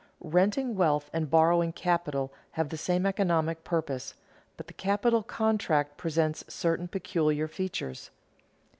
_Renting wealth and borrowing capital have the same economic purpose, but the capital contract presents certain peculiar features.